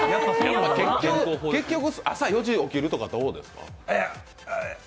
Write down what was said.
結局、朝４時に起きるってどうですか？